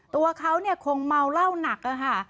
ตัวเขาเนี่ยคงเมาเหล้าหนักค่ะ